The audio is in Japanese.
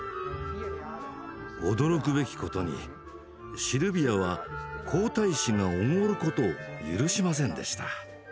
驚くべきことにシルビアは皇太子がおごることを許しませんでした。